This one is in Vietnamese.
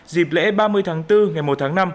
dịp lễ ba mươi tháng bốn ngày một tháng năm